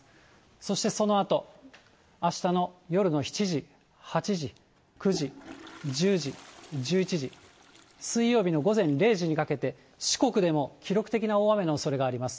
そしてそのあと、あしたの夜の７時、８時、９時、１０時、１１時、水曜日の午前０時にかけて、四国でも記録的な大雨のおそれがあります。